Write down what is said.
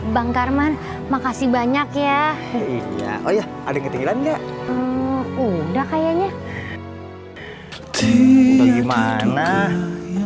bang karman makasih banyak ya oh ya ada ketinggalan nggak udah kayaknya